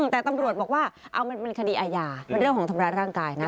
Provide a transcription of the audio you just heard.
แต่ตำรวจบอกว่าเอามันเป็นคดีอาญาเป็นเรื่องของทำร้ายร่างกายนะ